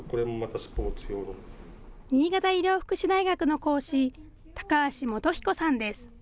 新潟医療福祉大学の講師、高橋素彦さんです。